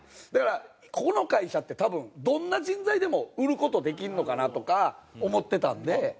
だからここの会社って多分どんな人材でも売る事できるのかなとか思ってたんで。